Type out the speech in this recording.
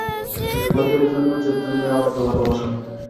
হয়তো এইজন্য যে তুমি আমাকে ভালোবাসো না।